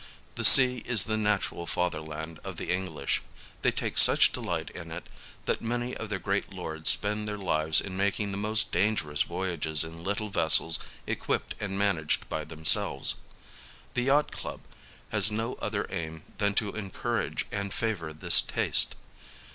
The sea is the natural fatherland of the English ; they take such delight in it that many of their great lords spend their 44 LONDON lives in making the most dangerous voyages in little vessels equipped and managed by themselves. The yacht club has no other aim than to encourage and favour this taste.